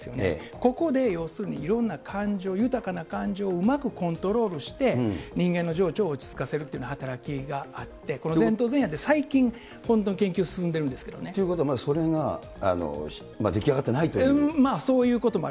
ここで要するにいろんな感情、豊かな感情をうまくコントロールして、人間の情緒を落ち着かせるという働きがあって、この前頭前野って、本当に最近、研究が進んでるんですけどね。ということは、そういうこともある。